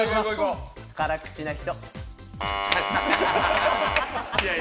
辛口な人。